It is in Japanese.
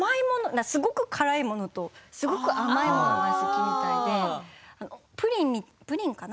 すごく辛いものとすごく甘いものとが好きみたいでプリンかな。